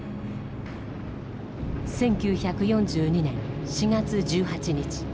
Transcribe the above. １９４２年４月１８日。